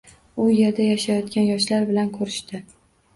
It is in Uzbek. U yerda yashayotgan yoshlar bilan ko‘rishdi.